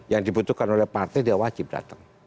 yang dibutuhkan oleh partai dia wajib datang